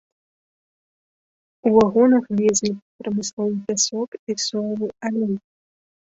У вагонах везлі прамысловы пясок і соевы алей.